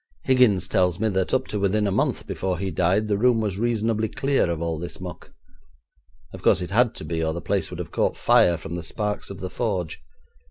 Higgins tells me that up to within a month before he died the room was reasonably clear of all this muck. Of course it had to be, or the place would have caught fire from the sparks of the forge.